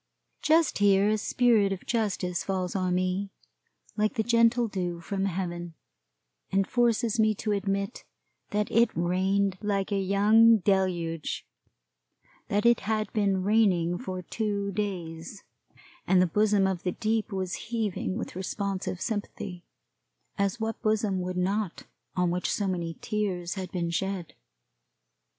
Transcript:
Just here a spirit of justice falls on me, like the gentle dew from heaven, and forces me to admit that it rained like a young deluge; that it had been raining for two days, and the bosom of the deep was heaving with responsive sympathy; as what bosom would not on which so many tears had been shed?